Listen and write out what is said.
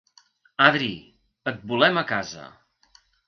Adri, et volem a casa